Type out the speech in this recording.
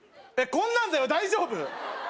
こんなんで大丈夫？